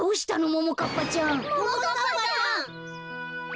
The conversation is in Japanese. ももかっぱちゃん？